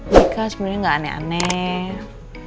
mereka sebenernya gak aneh aneh